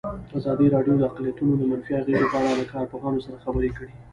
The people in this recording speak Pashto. ازادي راډیو د اقلیتونه د منفي اغېزو په اړه له کارپوهانو سره خبرې کړي.